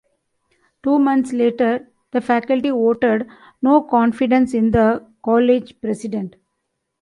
Two months later, the faculty voted no confidence in the college president.